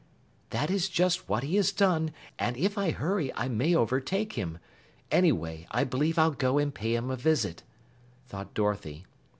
"That is just what he has done, and if I hurry, I may overtake him. Anyway, I believe I'll go and pay him a visit," thought Dorothy.